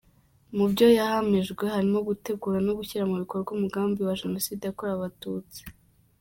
Mu byo yahamijwe harimo gutegura no gushyira mu bikorwa umugambi wa Jenoside yakorewe Abatutsi.